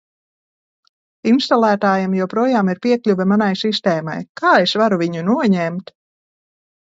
Instalētājam joprojām ir piekļuve manai sistēmai. Kā es varu viņu noņemt?